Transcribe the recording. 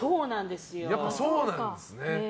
やっぱり、そうなんですね。